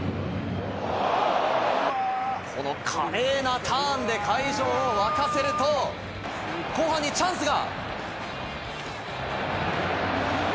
この華麗なターンで会場を沸かせると、後半にチャンスが！